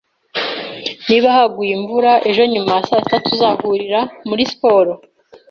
Niba haguye imvura ejo nyuma ya saa sita, tuzahurira muri siporo